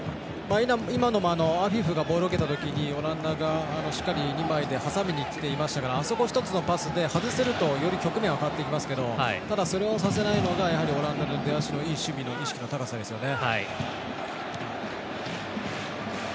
今のもアフィフがボールを受けたときオランダがしっかり２枚で挟みにいけてましたからあそこ１つのパスで外せるとより局面は変わっていきますけどただ、それをさせないのがやはりオランダの出足のいい守備の意識の高さですよね。